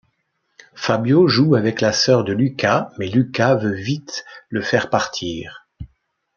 Fabio joue avec la sœur de Lukas, mais Lukas veut vite le faire partir.